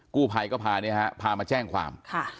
กู้ภัยก็พามาแจ้งความ